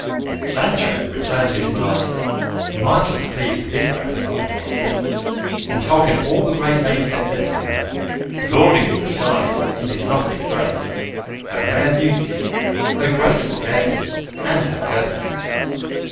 Sancho returned to his master mightily pleased with this gratifying answer, and told him all the great lady had said to him, lauding to the skies, in his rustic phrase, her rare beauty, her graceful gaiety, and her courtesy.